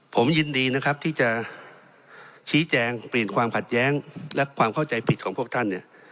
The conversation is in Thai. ผมยินดีนะครับที่จะชี้แจงเปลี่ยนความขัดแย้งและความเข้าใจผิดของพวกท่านเนี่ย